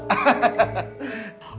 iya pak red